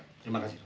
terima kasih dokter